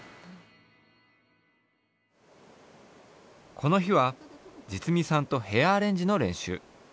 この日はじつみさんとヘアアレンジの練習。